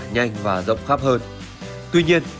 nhanh và rộng khắp hơn